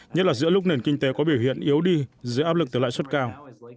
nhất là giữa lúc nền kinh tế có biểu hiện yếu đi giữa áp lực tới lãi suất cao